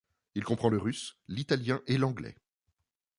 Il comprend le russe, l'italien, et l'anglais.